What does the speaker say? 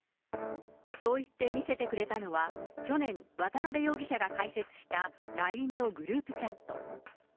そう言って見せてくれたのは、去年、渡辺容疑者が開設したＬＩＮＥのグループチャット。